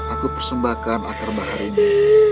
aku persembahkan akar bahar ini